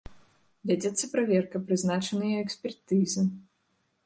Вядзецца праверка, прызначаныя экспертызы.